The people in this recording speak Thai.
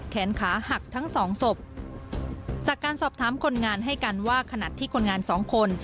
แขนขาหักทั้งสองศพจากการสอบถามคนงานให้กันว่าขณะที่คนงานสองคน